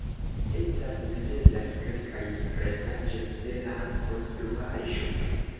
Estas videblaj kelkaj restaĵoj de la konstruaĵo.